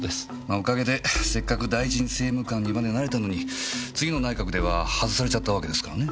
おかげでせっかく大臣政務官にまでなれたのに次の内閣では外されちゃったわけですからね。